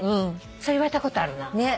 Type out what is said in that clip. それ言われたことあるな。